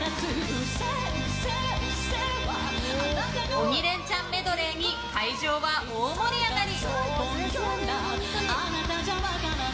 「鬼レンチャン」メドレーに会場は大盛り上がり。